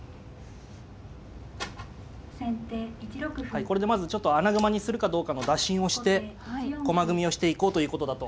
はいこれでまずちょっと穴熊にするかどうかの打診をして駒組みをしていこうということだと思います。